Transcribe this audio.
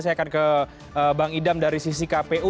saya akan ke bang idam dari sisi kpu